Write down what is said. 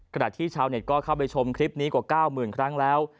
ขณะที่ชาวเน็ตก็เข้าไปชมคลิปนี้กว่า๙๐๐ครั้งแล้ว